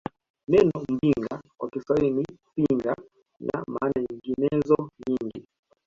Neno Mbinga kwa Kiswahili ni Pinga na maana nyinginezo nyingi